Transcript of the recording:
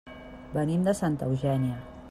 Venim de Santa Eugènia.